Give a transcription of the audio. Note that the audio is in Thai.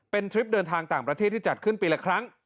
เป็นทริปเดินทางต่างประเทศที่จัดขึ้นปีละครั้ง